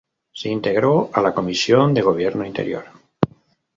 Se integró a la Comisión de Gobierno Interior.